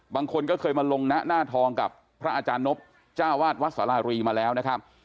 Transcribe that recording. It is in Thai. บางคนก็เคยมาลงนะหน้าทองกับพระอาจารย์นบจ้าวาดวัดสารารีมาแล้วนะครับ